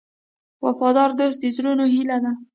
وفادار دوست د زړونو هیله ده.